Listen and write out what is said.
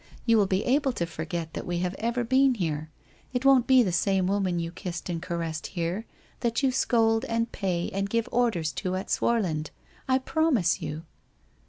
You will be able to forget that we have ever been here. It won't be the same woman you kissed and caressed here, that you scold and pay and give orders to at Swarland, I promise you.'